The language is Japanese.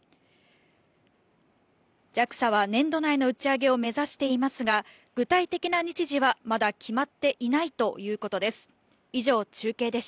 ＪＡＸＡは年度内の打ち上げを目指していますが、具体的な日時は、まだ決まっていないということです。